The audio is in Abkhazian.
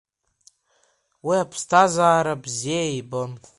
Уи аԥсҭазаара бзиа ибон.